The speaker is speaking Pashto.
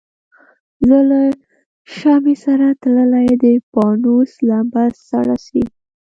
زه له شمعي سره تللی د پانوس لمبه سړه سي